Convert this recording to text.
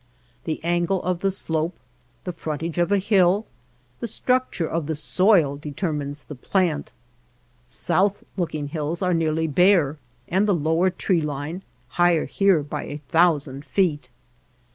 The angle of the slope, the frontage of a hill, the structure of the soil determines the plant. South looking hills are nearly bare, and the lower tree line higher here by a thousand feet.